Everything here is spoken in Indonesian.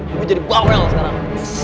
ibu jadi bawel sekarang